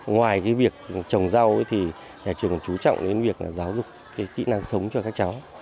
ngoài việc trồng rau nhà trường cũng chú trọng đến việc giáo dục kỹ năng sống cho các cháu